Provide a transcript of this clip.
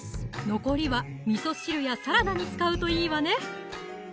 残りはみそ汁やサラダに使うといいわね